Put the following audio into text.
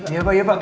iya pak ya pak